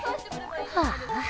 ああ